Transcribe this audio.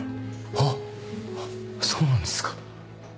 あっそうなんですか。